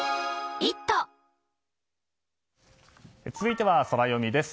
続いてはソラよみです。